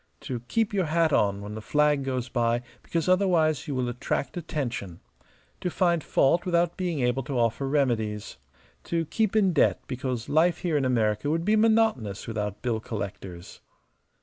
To keep your hat on when the flag goes by because otherwise you will attract attention. To find fault without being able to offer remedies. To keep in debt because life here in America would be monotonous without bill collectors."